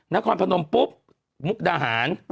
นครพนมปุ๊บมุกดาหาร